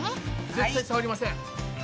絶対さわりません！